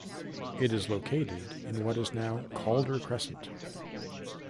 It was located in what is now Calder Crescent.